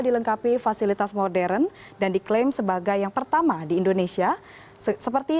dilengkapi fasilitas modern dan diklaim sebagai yang pertama di indonesia seperti